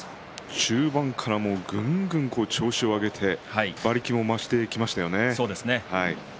中盤からぐんぐん調子を上げて馬力も増してきましたよね。